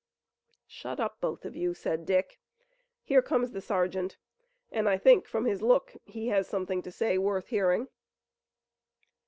"Shut up, both of you," said Dick. "Here comes the sergeant, and I think from his look he has something to say worth hearing."